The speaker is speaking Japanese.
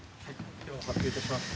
・では発表いたします・